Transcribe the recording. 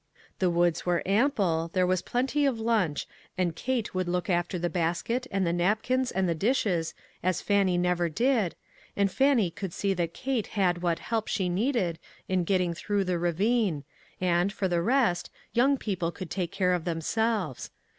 The woods were ample, there was plenty of lunch and Kate would look after the basket, and the napkins and the dishes, as Fannie never did, and Fannie could see l68 ONE COMMONPLACE DAY. that Kate had what help she needed in getting through the ravine, and, for the rest, young people could take care of them selves.